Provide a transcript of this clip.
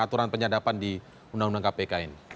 aturan penyadapan di undang undang kpk ini